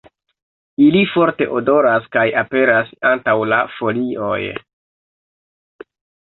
Ili forte odoras kaj aperas antaŭ la folioj.